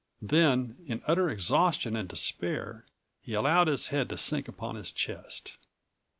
Then, in utter exhaustion and despair, he allowed his head to sink upon his chest.